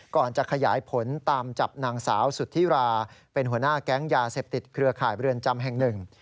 ก่อนจะขยายผลตามจับนางสาวสุธิราเป็นหัวหน้าแก๊งยาเสพติดเครือข่ายเรือนจำแห่งหนึ่ง